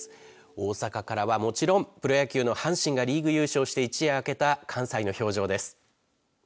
大阪からはもちろんプロ野球の阪神がリーグ優勝して一夜明けた関西の表情です。